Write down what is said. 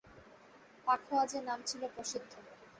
পাখোয়াজে নাম ছিল প্রসিদ্ধ।